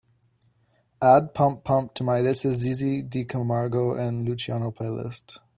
add pump-pump to my this is zezé di camargo & luciano playlist